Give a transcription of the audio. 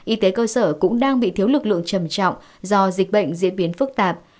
y tế cơ sở cũng đang bị thiếu lực lượng trầm trọng do dịch bệnh diễn biến phức tạp